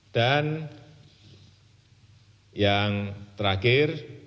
dan yang terakhir